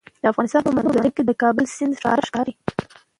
د افغانستان په منظره کې د کابل سیند ښکاره ښکاري.